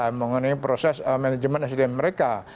dan mengenai proses manajemen sdm mereka